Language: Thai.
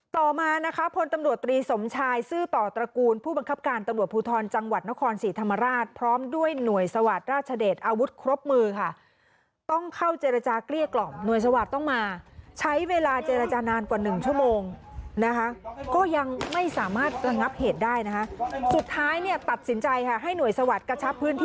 ต่อมานะคะพลตำรวจตรีสมชายซื่อต่อตระกูลผู้บังคับการตำรวจภูทรจังหวัดนครศรีธรรมราชพร้อมด้วยหน่วยสวาสตร์ราชเดชอาวุธครบมือค่ะต้องเข้าเจรจาเกลี้ยกล่อมหน่วยสวัสดิ์ต้องมาใช้เวลาเจรจานานกว่าหนึ่งชั่วโมงนะคะก็ยังไม่สามารถระงับเหตุได้นะคะสุดท้ายเนี่ยตัดสินใจค่ะให้หน่วยสวัสดิกระชับพื้นที่